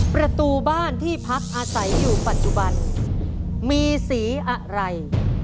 ประตูบ้านที่พักอาศัยอยู่ปัจจุบันมีสีอะไร